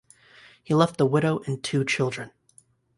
He left a widow and two children.